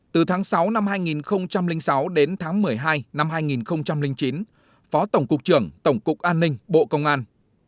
từ tháng sáu năm hai nghìn sáu đến tháng một mươi hai năm hai nghìn chín phó tổng cục trưởng tổng cục an ninh bộ công an